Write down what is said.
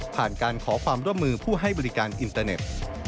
ผ่านการขอความร่วมมือผู้ให้บริการอินเตอร์เน็ต